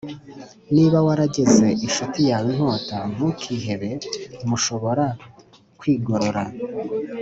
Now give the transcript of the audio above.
Niba warageze incuti yawe inkota, ntukihebe, mushobora kwigorora.